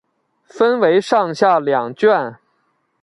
分为上下两卷。